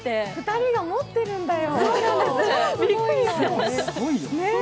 ２人が持ってるんだよ。